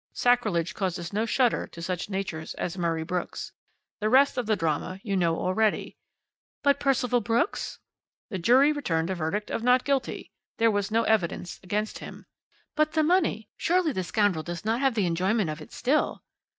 Sacrilege causes no shudder to such natures as Murray Brooks. The rest of the drama you know already " "But Percival Brooks?" "The jury returned a verdict of 'Not guilty.' There was no evidence against him." "But the money? Surely the scoundrel does not have the enjoyment of it still?"